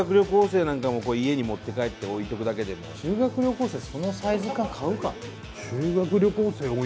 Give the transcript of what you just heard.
生なんかも家に持って帰って置いとくだけでも修学旅行生そのサイズ買うかな？